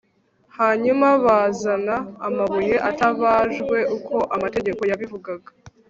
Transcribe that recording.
hanyuma bazana amabuye atabajwe, uko amategeko yabivugaga